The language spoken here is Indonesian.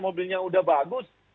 mobilnya udah bagus